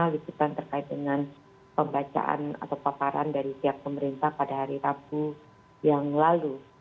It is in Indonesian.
misalkan terkait dengan pembacaan atau paparan dari setiap pemerintah pada hari rkuhp yang lalu